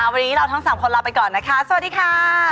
วันนี้เราทั้ง๓คนลาไปก่อนนะคะสวัสดีค่ะ